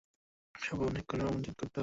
সব বামুন এক করে একটি ব্রাহ্মণজাত গড়তে হবে।